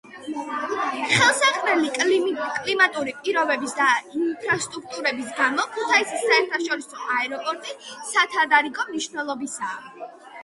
ხელსაყრელი კლიმატური პირობების და ინფრასტრუქტურის გამო, ქუთაისის საერთაშორისო აეროპორტი სათადარიგო მნიშვნელობისაა.